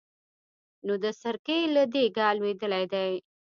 نو د سرکې له دېګه لوېدلی دی.